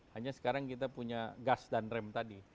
hanya sekarang kita punya gas dan rem tadi